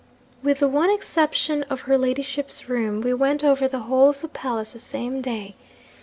'With the one exception of her ladyship's room, we went over the whole of the palace the same day.